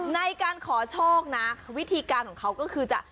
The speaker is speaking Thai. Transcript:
ในการขอโชคนะวิธีการของเขาก็คือจะ